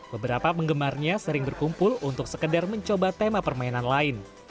beberapa penggemarnya sering berkumpul untuk sekedar mencoba tema permainan lain